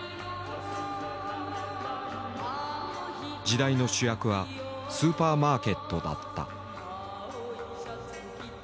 時代の主役はスーパーマーケットだった。